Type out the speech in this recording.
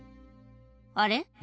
「あれ？」